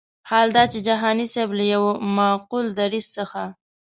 حال دا چې جهاني صاحب له یو معقول دریځ څخه.